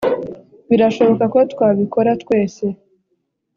birashoboka ko twabikora twese